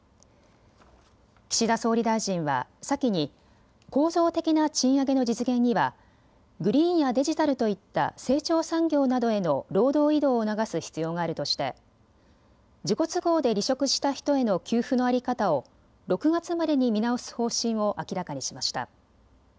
岸田総理大臣は先に構造的な賃上げの実現にはグリーンやデジタルといった成長産業などへの労働移動を促す必要があるとして自己都合で離職した人への給付の在り方を６月までに見直す方針を明らかにしました。